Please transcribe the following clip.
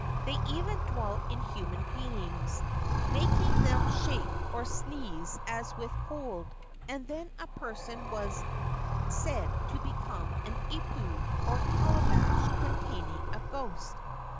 They even dwelt in human beings, making them shake or sneeze as with cold, and then a person was said to become an ipu, or calabash containing a ghost.